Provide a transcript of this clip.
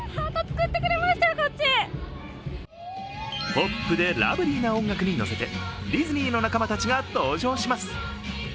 ポップでラブリーな音楽に乗せてディズニーの仲間たちが登場します。